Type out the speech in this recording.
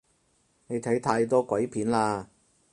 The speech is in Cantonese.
你睇太多鬼片喇